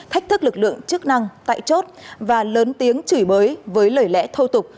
thách thức lực lượng chức năng tại chốt và lớn tiếng chửi bới với lời lẽ thô tục